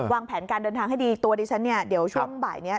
วางแผนการเดินทางให้ดีตัวดิฉันเนี่ยเดี๋ยวช่วงบ่ายนี้